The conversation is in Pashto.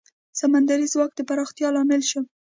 سمندري ځواک د پراختیا لامل شو.